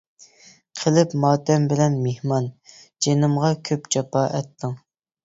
قىلىپ ماتەم بىلەن مېھمان، جىنىمغا كۆپ جاپا ئەتتىڭ!